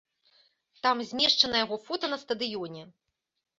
Там змешчана яго фота на стадыёне.